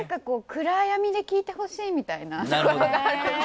暗闇で聞いてほしいみたいな。